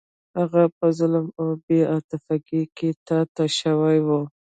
هغه په ظلم او بې عاطفګۍ کې تا ته شوی و.